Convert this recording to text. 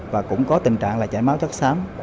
và cũng có tình trạng chảy máu chất xám